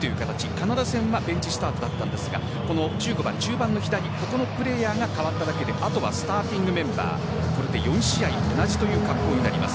カナダ戦はベンチスタートだったんですが１５番、中盤の左ここのプレーヤーが代わっただけであとはスターティングメンバーこれで４試合同じという格好になります。